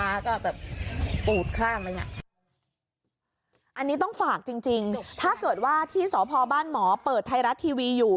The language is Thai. อันนี้ต้องฝากจริงจริงถ้าเกิดว่าที่สพบ้านหมอเปิดไทยรัฐทีวีอยู่